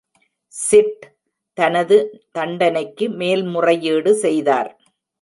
Chit தனது தண்டனைக்கு மேல்முறையீடு செய்தார்.